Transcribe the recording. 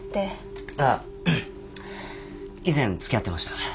ああ以前付き合ってました。